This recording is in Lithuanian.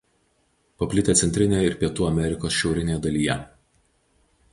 Paplitę Centrinėje ir Pietų Amerikos šiaurinėje dalyje.